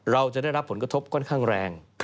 เราจะได้รับผลกระทบค่อนข้างแรง